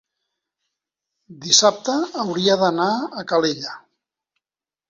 dissabte hauria d'anar a Calella.